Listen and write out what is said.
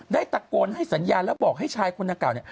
ได้ตะโกนให้สัญญาแล้วบอกให้ชายคนนเก่า